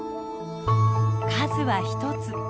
数は１つ。